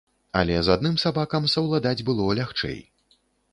Але з адным сабакам саўладаць было лягчэй.